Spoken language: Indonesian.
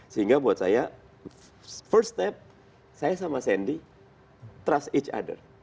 sehingga buat saya first tap saya sama sandy trust it other